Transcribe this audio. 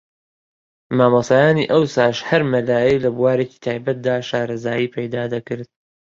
مامۆستایانی ئەوساش ھەر مەلایەی لە بوارێکی تایبەتدا شارەزایی پەیدا دەکرد